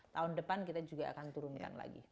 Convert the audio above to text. tahun depan kita juga akan turunkan lagi